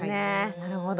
なるほど。